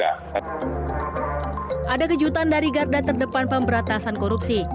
ada kejutan dari garda terdepan pemberantasan korupsi